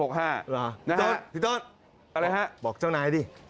นะฮะอะไรฮะจ้อนบอกเจ้านายดิ